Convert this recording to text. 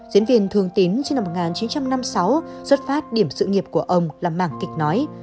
diễn viên thương tín năm một nghìn chín trăm năm mươi sáu xuất phát điểm sự nghiệp của ông là mạng kịch nói